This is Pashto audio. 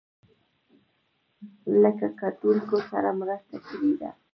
له کتونکو سره مرسته کړې ده.